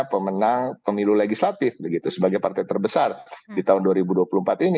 pemenang pemilu legislatif sebagai partai terbesar di tahun dua ribu dua puluh empat ini